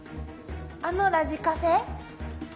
あのラジカセ？